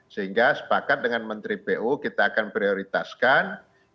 sehingga sepakat dengan menteri pu kita akan prioritaskan